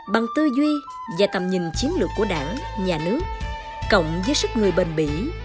bằng tư duy và tầm nhìn chiến lược của đảng nhà nước cộng với sức người bền bỉ